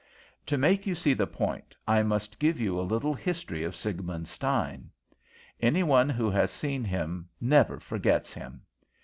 "To make you see the point, I must give you a little history of Siegmund Stein. Any one who has seen him never forgets him.